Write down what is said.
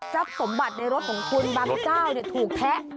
สมบัติในรถของคุณบางเจ้าถูกแทะ